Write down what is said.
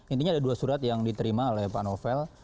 intinya ada dua surat yang diterima oleh pak novel